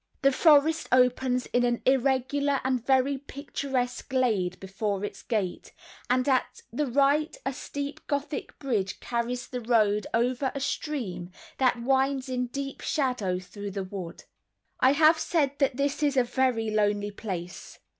The forest opens in an irregular and very picturesque glade before its gate, and at the right a steep Gothic bridge carries the road over a stream that winds in deep shadow through the wood. I have said that this is a very lonely place.